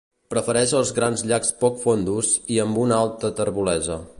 Prefereix els grans llacs poc fondos i amb una alta terbolesa.